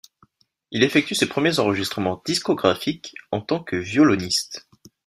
Il effectue ses premiers enregistrements discographiques en tant que violoniste.